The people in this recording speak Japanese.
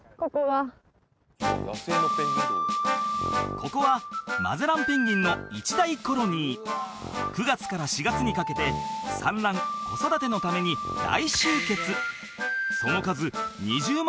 ここはマゼランペンギンの一大コロニー９月から４月にかけて産卵子育てのために大集結その数２０万